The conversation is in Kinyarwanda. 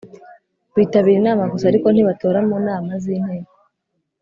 Bitabira inama gusa ariko ntibatora mu nama z’inteko